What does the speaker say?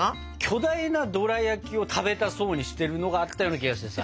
巨大なドラやきを食べたそうにしてるのがあったような気がしてさ。